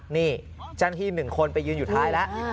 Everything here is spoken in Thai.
นี่เจ้าหน้าที่๑คนไปยืนอยู่ท้ายแล้ว